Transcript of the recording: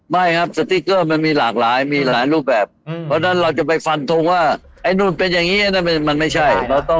ไม่ครับสติ๊กเกอร์มันมีหลากหลายมีหลายรูปแบบเพราะฉะนั้นเราจะไปฟันทงว่าไอ้นู่นเป็นอย่างนี้มันไม่ใช่